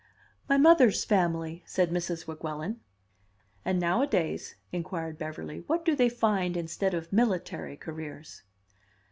"My mother's family," said Mrs. Weguelin. "And nowadays," inquired Beverly, "what do they find instead of military careers?"